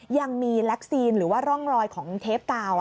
ยังมีแล็กซีนหรือว่าร่องรอยของเทปกาว